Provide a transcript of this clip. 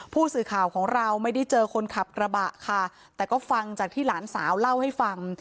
ผู้สื่อข่าวของเราไม่ได้เจอคนขับกระบะค่ะแต่ก็ฟังจากที่หลานสาวเล่าให้ฟัง